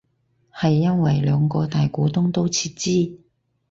係因為兩個大股東都撤資